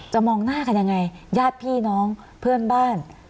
มองหน้ากันยังไงญาติพี่น้องเพื่อนบ้าน